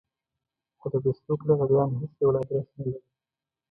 خو د فېسبوک لغړيان هېڅ ډول ادرس نه لري.